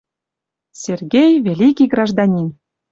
Сергей — великий гражданин.